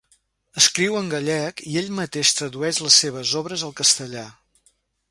Escriu en gallec i ell mateix tradueix les seves obres al castellà.